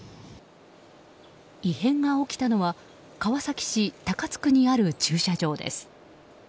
異変が起きたのは川崎市高津区にある駐車場です。